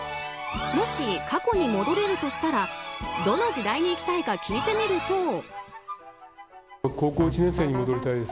もし、過去に戻れるとしたらどの時代に行きたいか聞いてみると。